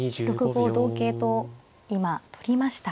６五同桂と今取りました。